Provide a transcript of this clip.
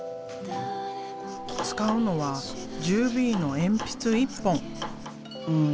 使うのは１０Ｂの鉛筆１本。